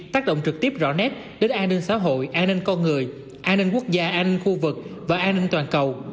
tác động trực tiếp rõ nét đến an ninh xã hội an ninh con người an ninh quốc gia an ninh khu vực và an ninh toàn cầu